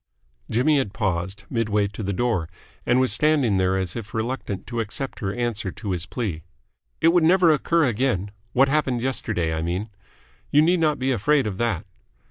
Jimmy had paused, mid way to the door, and was standing there as if reluctant to accept her answer to his plea. "It would never occur again. What happened yesterday, I mean. You need not be afraid of that."